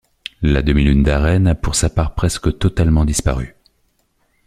La demi-lune d'Arènes a pour sa part presque totalement disparu.